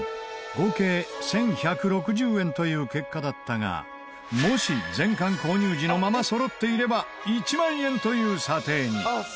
合計１１６０円という結果だったがもし全巻購入時のまま揃っていれば１万円という査定に。